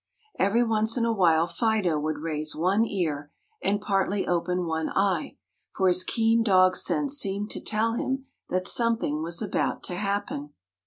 Every once in a while Fido would raise one ear and partly open one eye, for his keen dog sense seemed to tell him that something was about to happen.